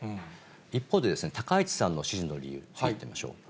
一方で高市さんの支持の理由、見てみましょう。